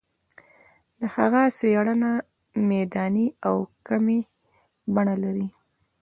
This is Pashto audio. د هغه څېړنه میداني او کمي بڼه لري.